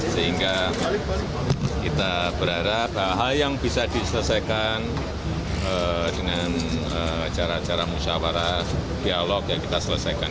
sehingga kita berharap hal hal yang bisa diselesaikan dengan acara acara musyawarah dialog ya kita selesaikan